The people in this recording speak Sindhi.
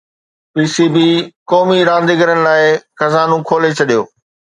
پي سي بي قومي رانديگرن لاءِ خزانو کولي ڇڏيو